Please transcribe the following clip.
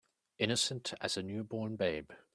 Innocent as a new born babe.